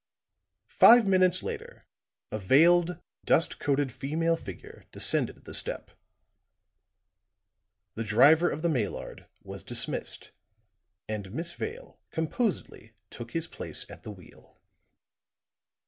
Five minutes later, a veiled, dust coated female figure descended the step; the driver of the Maillard was dismissed, and Miss Vale composedly took his place at the wheel.